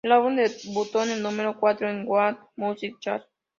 El álbum debutó en el número cuatro en Gaon Music Chart.